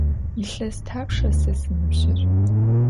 Yilhes thapşşa se sınıbjır?